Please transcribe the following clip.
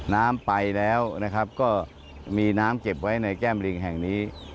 น้ำไปแล้วนะครับก็มีน้ำเก็บไว้ในแก้มลิงแห่งนี้